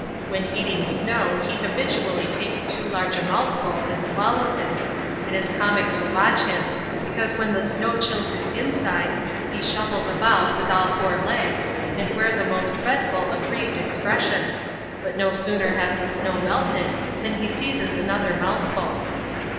When eating snow he habitually takes too large a mouthful and swallows it; it is comic to watch him, because when the snow chills his inside he shuffles about with all four legs and wears a most fretful, aggrieved expression: but no sooner has the snow melted than he seizes another mouthful.